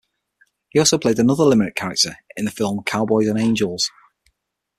He also played another Limerick character in the film "Cowboys and Angels".